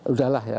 udah lah ya